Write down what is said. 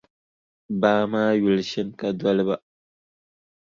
Baa maa yuli “Shinkadoliba.”.